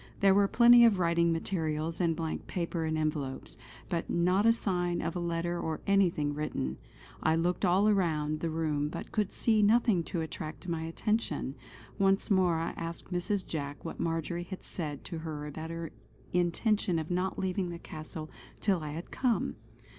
There were plenty of writing materials and blank paper and envelopes; but not a sign of a letter or anything written. I looked all round the room but could see nothing to attract my attention. Once more I asked Mrs. Jack what Marjory had said to her about her intention of not leaving the castle till I had come.